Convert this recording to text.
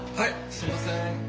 すいません。